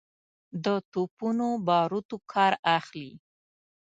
د توپونو باروتو کار اخلي.